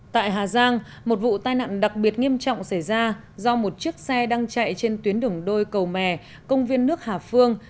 tại hà giang một vụ tai nạn đặc biệt nghiêm trọng xảy ra do một chiếc xe đang chạy trên tuyến đường đôi cầu mè công viên nước hà phương